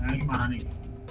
yang keempat anik